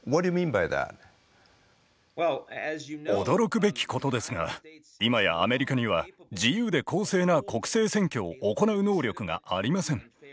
驚くべきことですが今やアメリカには自由で公正な国政選挙を行う能力がありません。